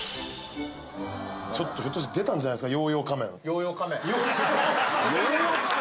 ひょっとして出たんじゃないですか？